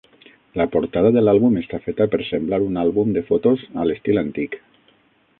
La portada de l'àlbum està feta per semblar un àlbum de fotos a l'estil antic.